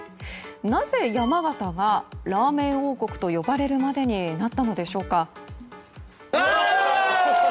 なぜ山形がラーメン王国と呼ばれるまでになったのでしょうか。